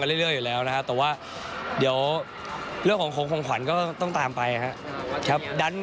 เรื่อยอยู่แล้วนะครับแต่ว่าเดี๋ยวเรื่องของของขวัญก็ต้องตามไปครับ